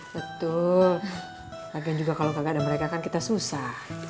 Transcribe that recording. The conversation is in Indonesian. betul lagi juga kalau gak ada mereka kan kita susah